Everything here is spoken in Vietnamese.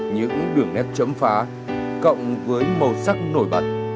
những đường nét chấm phá cộng với màu sắc nổi bật